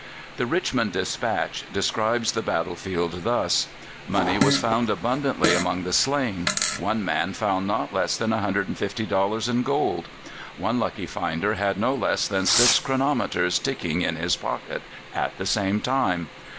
The Richmond Dispatch describes the battle field thus: "Money was found abundantly among the slain. One man found not less than 150 dollars in gold. One lucky finder had no less than six chronometers ticking in his pocket at the same time.